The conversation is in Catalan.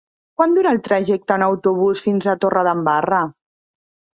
Quant dura el trajecte en autobús fins a Torredembarra?